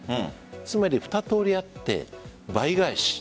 つまり二通りあって、倍返し。